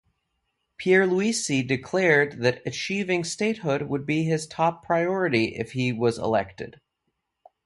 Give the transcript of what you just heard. Pierluisi declared that achieving statehood would be his top priority if he was elected.